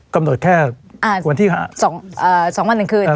กำหนดแค่อ่าวันที่ห้าสองอ่าสองวันหนึ่งคืนอ่า